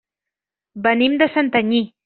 Venim de Santanyí.